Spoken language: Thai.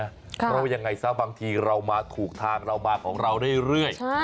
เพราะว่ายังไงซะบางทีเรามาถูกทางเรามาของเราเรื่อย